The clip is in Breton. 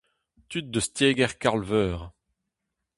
Tud eus tiegezh Karl-Veur.